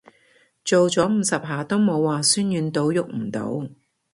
做咗五十下都冇話痠軟到郁唔到